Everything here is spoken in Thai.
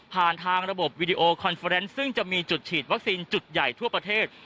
ทางระบบวิดีโอคอนเฟอร์เนส์ซึ่งจะมีจุดฉีดวัคซีนจุดใหญ่ทั่วประเทศ